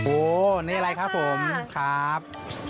โอ้นี่อะไรครับผมครับ